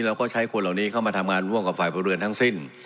เราก็ใช้คนเหล่านี้เข้ามาทำงานร่วมกับฝ่ายพลเรือนทั้งสิ้น